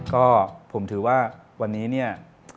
ก็ผมถือว่าวันนี้เนี่ย